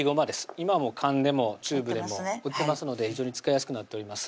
今は缶でもチューブでも売ってますので非常に使いやすくなっております